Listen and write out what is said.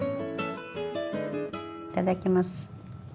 いただきます。